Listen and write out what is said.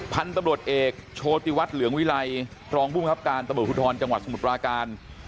พันธุ์ตำรวจเอกโชติวัฒน์เหลืองวิลัยรองภูมิครับการตำรวจภูทรจังหวัดสมุทรปราการ